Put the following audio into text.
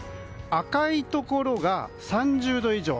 赤いところが３０度以上。